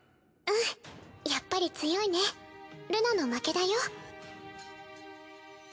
うんやっぱり強いねルナの負けだよ。